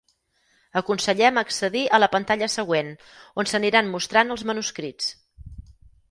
Aconsellem accedir a la pantalla següent, on s'aniran mostrant els manuscrits.